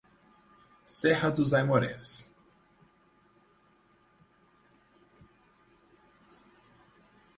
Serra dos Aimorés